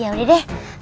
ya udah deh